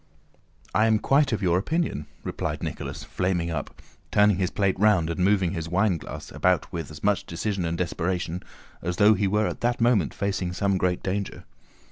"I am quite of your opinion," replied Nicholas, flaming up, turning his plate round and moving his wineglasses about with as much decision and desperation as though he were at that moment facing some great danger.